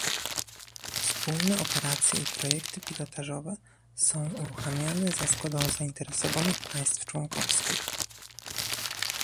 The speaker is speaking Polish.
Wspólne operacje i projekty pilotażowe są uruchamiane za zgodą zainteresowanych państw członkowskich